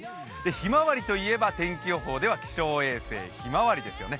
ひまわりといえば天気予報では気象衛星ひまわりですよね。